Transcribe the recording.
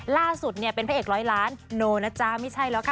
ล่าสุดเนี่ยเป็นพระเอกร้อยล้านโนนะจ๊ะไม่ใช่แล้วค่ะ